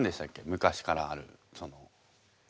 昔からあるその。